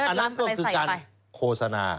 อันนั้นก็คือการโฆษณา